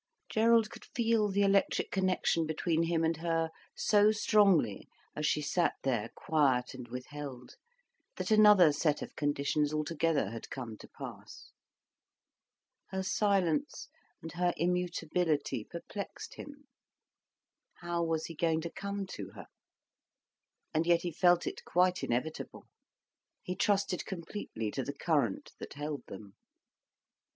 Gerald could feel the electric connection between him and her so strongly, as she sat there quiet and withheld, that another set of conditions altogether had come to pass. Her silence and her immutability perplexed him. How was he going to come to her? And yet he felt it quite inevitable. He trusted completely to the current that held them.